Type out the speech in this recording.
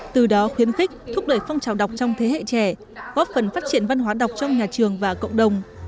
từ đó khuyến khích thúc đẩy phong trào đọc trong thế hệ trẻ góp phần phát triển văn hóa đọc trong nhà trường và cộng đồng